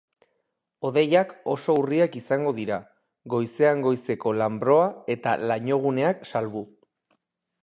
Hodeiak oso urriak izango dira, goizean goizeko lanbroa eta lainoguneak salbu.